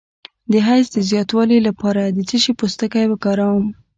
د حیض د زیاتوالي لپاره د څه شي پوستکی وکاروم؟